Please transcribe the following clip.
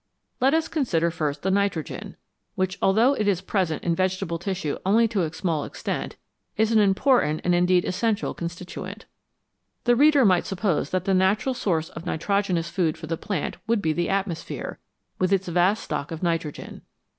Let us consider first the nitrpgen, which, although it is present CHEMISTRY AND AGRICULTURE in vegetable tissue only to a small extent, is an important and indeed essential constituent. The reader might suppose that the natural source of nitrogenous food for the plant would be the atmosphere, with its vast stock of nitrogen.